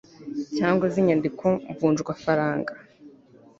cyangwa z inyandiko mvunjwafaranga